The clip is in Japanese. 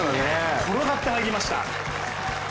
転がって入りました。